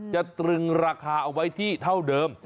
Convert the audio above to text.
ตรึงราคาเอาไว้ที่เท่าเดิม